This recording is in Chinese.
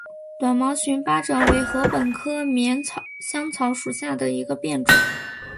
短毛熊巴掌为禾本科锦香草属下的一个变种。